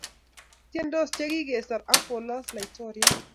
Tiendos che kigesor ak kolos’ Laitoriat